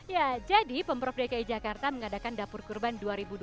ya jadi pemprov dki jakarta mengadakan dapur kurban dua ribu dua puluh